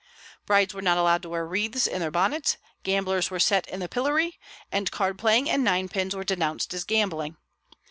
Brides were not allowed to wear wreaths in their bonnets; gamblers were set in the pillory, and card playing and nine pins were denounced as gambling.